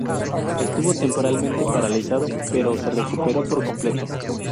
Estuvo temporalmente paralizado, pero se recuperó por completo.